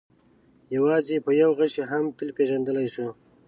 یوازې په یوه غشي هم فیل پېژندلی شو.